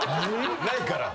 ないから。